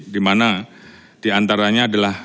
di mana diantaranya adalah